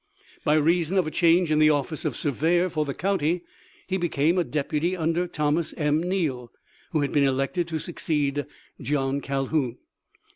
By reason of a change in the office of Surveyor for the county he became a deputy under Thomas M. Neale, who had been elected to succeed John Calhoun.